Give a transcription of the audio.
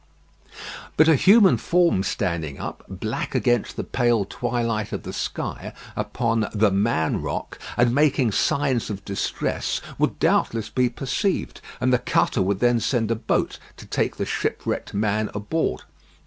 But a human form standing up, black against the pale twilight of the sky, upon "the Man Rock," and making signs of distress, would doubtless be perceived, and the cutter would then send a boat to take the shipwrecked man aboard.